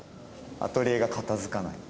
アトリエが片付かない。